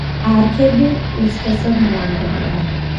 არქეები უსქესოდ მრავლდებიან.